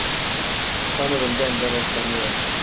Sanırım benden hoşlanıyor.